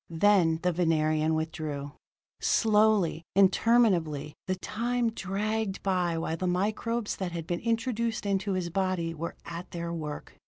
Then the Venerian withdrew. Slowly, interminably, the time dragged by while the microbes that had been introduced into his body were at their work.